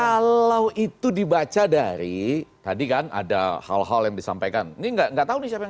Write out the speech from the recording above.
kalau itu dibaca dari tadi kan ada hal hal yang disampaikan ini nggak tahu nih siapa yang